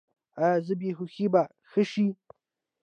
ایا زما بې هوښي به ښه شي؟